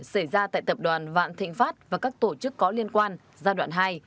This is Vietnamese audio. xảy ra tại tập đoàn vạn thịnh pháp và các tổ chức có liên quan giai đoạn hai